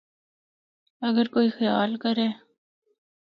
اگر کوئی خیال کرّے۔